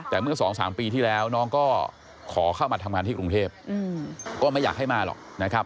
แต่เมื่อ๒๓ปีที่แล้วน้องก็ขอเข้ามาทำงานที่กรุงเทพก็ไม่อยากให้มาหรอกนะครับ